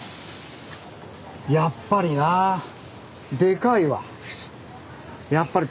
やっぱりなでかいわやっぱり。